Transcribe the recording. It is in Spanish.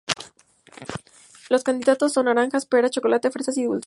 Los candidatos son: "Naranjas", "Peras", "Chocolate", "Fresas", y "Dulces".